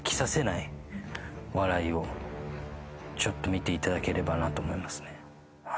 見ていただければなと思いますね。